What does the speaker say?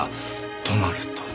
となると。